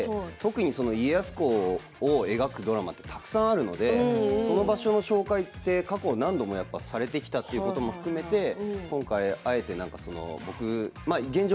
そういう話をそもそも聞いて特に家康公を描くドラマはたくさんあるのでその場所の紹介は過去何度もやっぱりされてきたということも含めて今回あえて現状